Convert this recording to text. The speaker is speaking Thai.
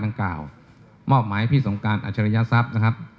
ทั้งเก่ามอบหมายพี่สงการอาชารยศัพท์นะครับ